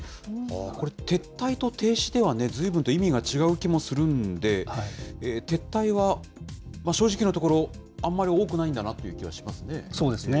これ、撤退と停止では、ずいぶんと意味が違う気がするんで、撤退は、正直なところ、あんまり多くないんだなという気がしますね。